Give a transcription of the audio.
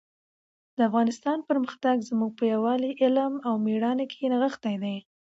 د افغانستان پرمختګ زموږ په یووالي، علم او مېړانه کې نغښتی دی.